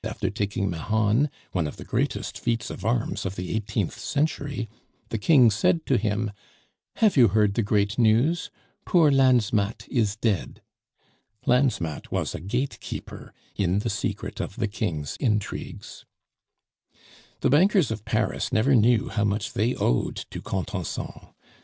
after taking Mahon, one of the greatest feats of arms of the eighteenth century, the King said to him, "Have you heard the great news? Poor Lansmatt is dead." Lansmatt was a gatekeeper in the secret of the King's intrigues. The bankers of Paris never knew how much they owed to Contenson.